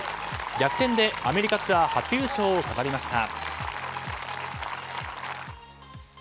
逆転でアメリカツアー初優勝を飾りました。